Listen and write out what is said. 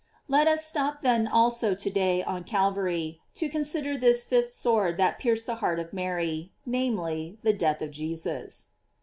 Let us stop then also to day on Calvary, to consider this fifth sword that pierced the heart of Mary, namely, the death of Jesus.